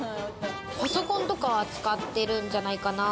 パソコンとか扱ってるんじゃないかな。